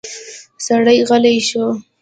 سړی غلی شو.